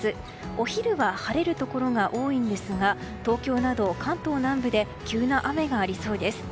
お昼は晴れるところが多いんですが東京など関東南部で急な雨がありそうです。